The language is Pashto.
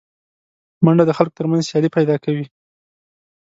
منډه د خلکو تر منځ سیالي پیدا کوي